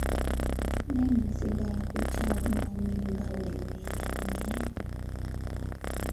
Banaasigala ku Kyagulanyi nga bwe beeyamye?